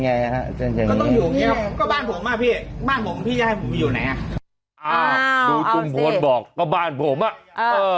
ไม่เป็นไรพี่ก็ทำนักข่าวพี่ก็ทำนักข่าวแม่